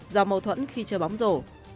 do mâu thuẫn khi chơi bóng rổ